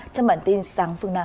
trong bản tin sáng phương nào